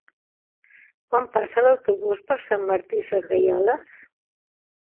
Quan passa l'autobús per Sant Martí Sesgueioles?